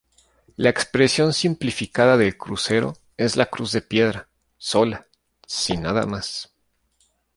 La expresión simplificada del crucero es la cruz de piedra, sola, sin nada más.